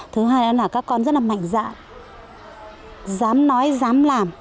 thứ hai là các con rất là mạnh dạn dám nói dám làm